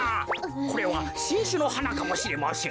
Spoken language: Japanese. これはしんしゅのはなかもしれません。